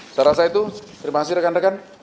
secara saya itu terima kasih rekan rekan